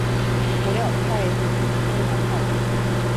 不料太宗突然暴毙。